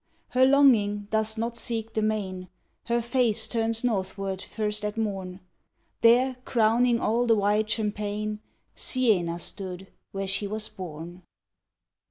Her longing does not seek the main, Her face turns northward first at morn; There, crowning all the wide champaign, Siena stood, where she was born.